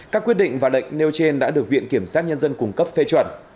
các quyết định và lệnh nêu trên đã được viện kiểm sát nhân dân cung cấp phê chuẩn